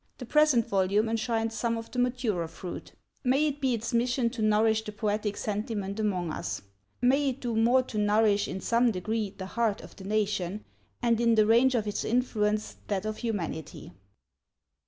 The present volume enshrines some of the maturer fruit. May it be its mission to nourish the poetic sentiment among us. May it do more to nourish in some degree the "heart of the nation", and, in the range of its influence, that of humanity.